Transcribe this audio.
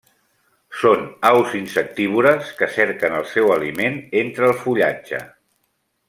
Són aus insectívores que cerquen el seu aliment entre el fullatge.